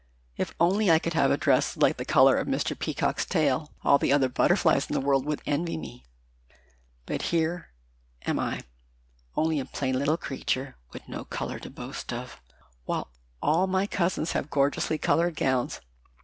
If only I could have a dress like the colors of Mr. Peacock's tail all the other butterflies in the world would envy me. "But here am I, only a plain little creature, with no color to boast of, while all my cousins have gorgeously colored gowns.